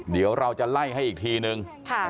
เดี๋ยวเราจะไล่ให้อีกทีนึง